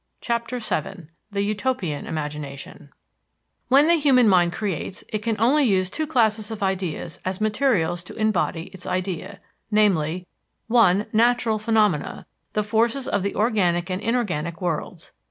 CHAPTER VII THE UTOPIAN IMAGINATION When the human mind creates, it can use only two classes of ideas as materials to embody its idea, viz.: (1) Natural phenomena, the forces of the organic and inorganic worlds.